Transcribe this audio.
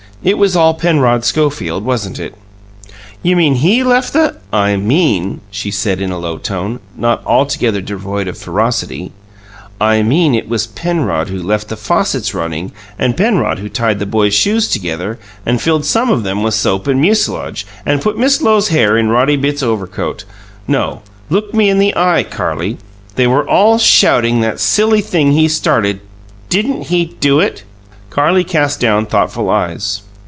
It was all Penrod Schofield, wasn't it?" "You mean he left the " "I mean," she said, in a low tone, not altogether devoid of ferocity. "I mean it was Penrod who left the faucets running, and Penrod who tied the boys' shoes together, and filled some of them with soap and mucilage, and put Miss Lowe's hair in Roddy Bitts's overcoat. No; look me in the eye, Carlie! They were all shouting that silly thing he started. Didn't he do it?" Carlie cast down thoughtful eyes.